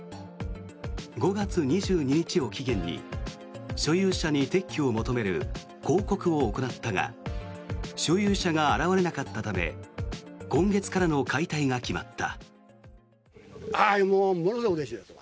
５月２２日を期限に所有者に撤去を求める公告を行ったが所有者が現れなかったため今月からの解体が決まった。